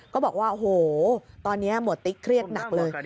ก็บอกว่าโอ้โหตอนนี้หมวดติ๊กเครียดหนักเลย